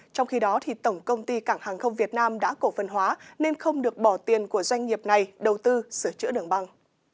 trong khi đó tổng công ty cảng hàng không việt nam đã cổ phần hóa nên không được bỏ tiền của doanh nghiệp này đầu tư sửa chữa đường băng